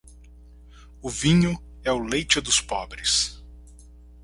O vinho é o leite dos pobres.